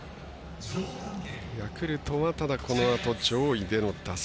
ヤクルトは、このあと上位での打線。